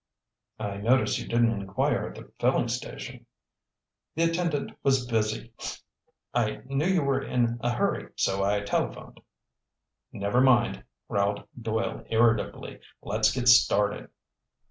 "I notice you didn't inquire at the filling station." "The attendant was busy. I knew you were in a hurry so I telephoned." "Never mind," growled Doyle irritably. "Let's get started."